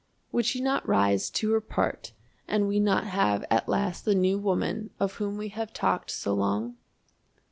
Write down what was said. Would she not rise to her part and we not have at last the "new woman" of whom we have talked so long?